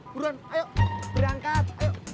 buruan ayo berangkat